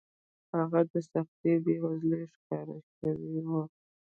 هغه د سختې بېوزلۍ ښکار شوی و